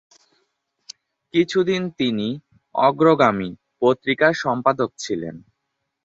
কিছুদিন তিনি "অগ্রগামী" পত্রিকার সম্পাদক ছিলেন।